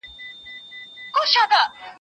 چي هر ځای به یو قاتل وو دی یې یار وو